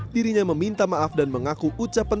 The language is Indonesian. dirinya meminta maaf dan mengaku ucapan